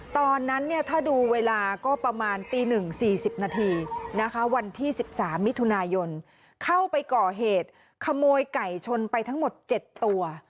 ตอนนั้นเนี้ยถ้าดูเวลาก็ประมาณตีหนึ่งสี่สิบนาทีนะคะวันที่สิบสามมิถุนายนเข้าไปก่อเหตุขโมยไก่ชนไปทั้งหมดเจ็ดตัว